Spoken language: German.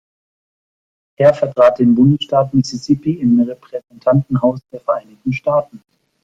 Er vertrat den Bundesstaat Mississippi im Repräsentantenhaus der Vereinigten Staaten.